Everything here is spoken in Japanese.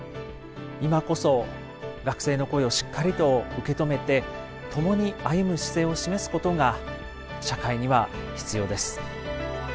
今こそ学生の声をしっかりと受け止めて共に歩む姿勢を示すことが社会には必要です。